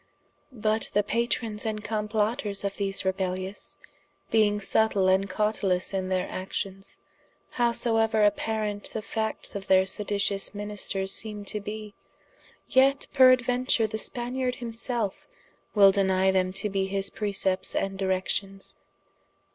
But the Patrons and complotters of these rebellious, being subtile and cautelous in their actions, howsoeuer apparant the factes of their seditious ministers seeme to bee, yet peraduenture the Spaniard himself wil denie them to be his precepts, and directions.